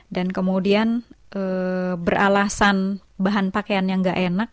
dan kemudian beralasan bahan pakaiannya tidak enak